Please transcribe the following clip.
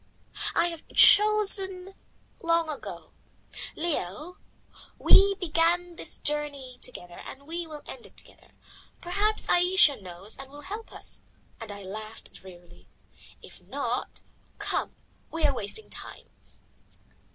"I have chosen long ago. Leo, we began this journey together and we will end it together. Perhaps Ayesha knows and will help us," and I laughed drearily. "If not come, we are wasting time."